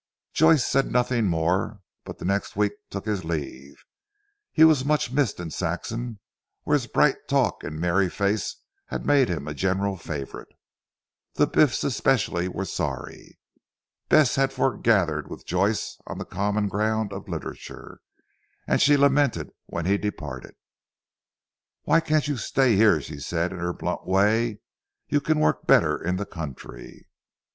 Joyce said nothing more, but the next week took his leave. He was much missed in Saxham where his bright talk and merry face had made him a general favourite. The Biff's especially were sorry. Bess had foregathered with Joyce on the common ground of literature, and she lamented when he departed. "Why can't you stay here?" she said in her blunt way, "you can work better in the country."